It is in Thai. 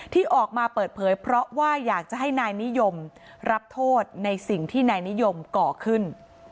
ที่ออกมาเปิดเผยเพราะว่าอยากจะให้นายนิยมรับโทษในสิ่งที่นายนิยมก่อขึ้น